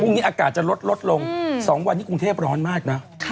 พรุ่งนี้อากาศจะลดลดลง๒วันนี้กรุงเทพร้อนมากนะ